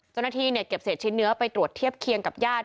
เจ้าหน้าที่เก็บเศษชิ้นเนื้อไปตรวจเทียบเคียงกับญาติ